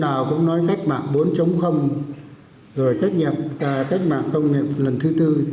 đi đâu chỗ nào cũng nói cách mạng bốn chống rồi cách mạng công nghiệp lần thứ bốn